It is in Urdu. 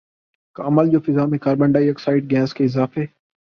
کا عمل جو فضا میں کاربن ڈائی آکسائیڈ گیس کے اضافے